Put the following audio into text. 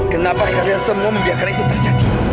kenapa akhirnya semua membiarkan itu terjadi